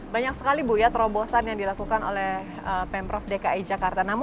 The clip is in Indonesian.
banyak sekali bu ya terobosan yang dilakukan oleh pemprov dki jakarta